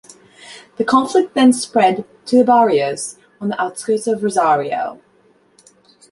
The conflict then spread to the "barrios" on the outskirts of Rosario.